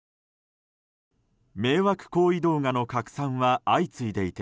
迷惑行為動画の拡散は相次いでいて